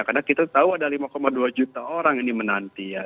karena kita tahu ada lima dua juta orang yang dimenanti ya